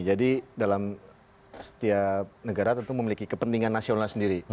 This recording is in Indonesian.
jadi dalam setiap negara tentu memiliki kepentingan nasional sendiri